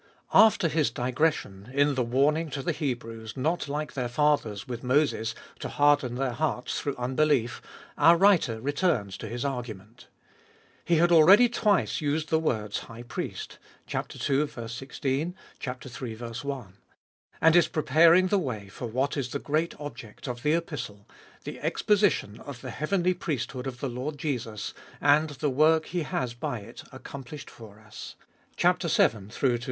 AFTER his digression, in the warning to the Hebrews not like their fathers with Moses, to harden their hearts through unbelief, our writer returns to his argument. He had already twice used the words High Priest (ii. 16, iii. i), and is preparing the way for what is the great object of the Epistle — the exposition of the heavenly priesthood of the Lord Jesus, and the work He has by it accomplished for us (vii.